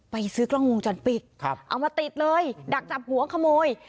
ซื้อกล้องวงจรปิดครับเอามาติดเลยดักจับหัวขโมย